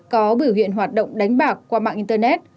có biểu hiện hoạt động đánh bạc qua mạng internet